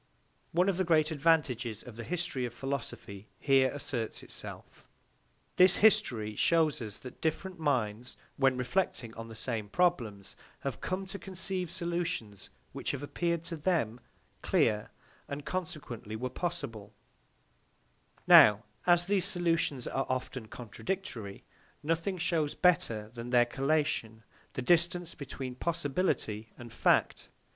One of the great advantages of the history of philosophy here asserts itself. This history shows us that different minds when reflecting on the same problems have come to conceive solutions which have appeared to them clear, and consequently were possible; now, as these solutions are often contradictory, nothing shows better than their collation the distance between possibility and fact.